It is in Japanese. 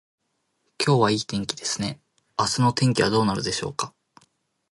今日はいい天気ですね。明日の天気はどうなるでしょうか。